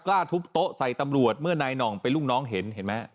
กล้าทุบโต๊ะใส่ตำรวจเมื่อนายหน่องเป็นลูกน้องเห็นเห็นไหม